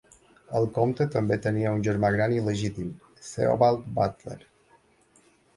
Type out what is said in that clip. El comte també tenia un germà gran il·legítim, Theobald Butler.